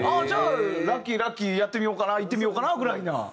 じゃあラッキーラッキーやってみようかな行ってみようかなぐらいな？